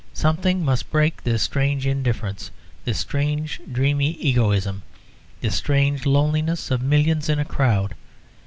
Something must break this strange indifference, this strange dreamy egoism, this strange loneliness of millions in a crowd.